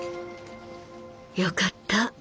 「よかった